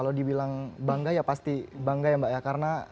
kalau dibilang bangga ya pasti bangga ya mbak ya